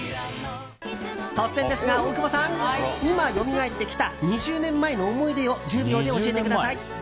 突然ですが、大久保さん！今、よみがえってきた２０年前の思い出を１０秒で教えてください。